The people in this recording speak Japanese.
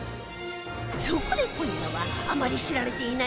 そこで、今夜はあまり知られていない